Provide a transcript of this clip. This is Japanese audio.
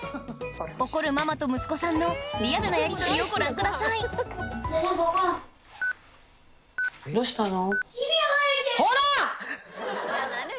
怒るママと息子さんのリアルなやり取りをご覧下さいどしたの？